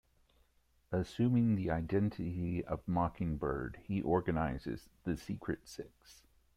Assuming the identity Mockingbird, he organizes the Secret Six.